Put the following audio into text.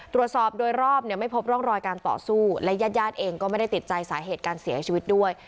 ตรวจสอบโดยรอบเนี่ยไม่พบร่องรอยการต่อสู้และญาติญาติเองก็ไม่ได้ติดใจสาเหตุการเสียชีวิตด้วย